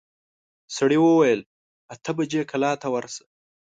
سړي وويل اته بجې کلا ته ورسه.